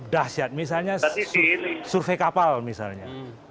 dahsyat misalnya survei kapal misalnya